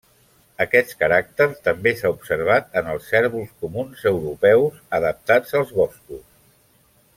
Aquest caràcter també s'ha observat en els cérvols comuns europeus adaptats als boscos.